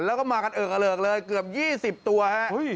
แล้วก็มากันเอิกเลยเกือบ๒๐ตัวครับ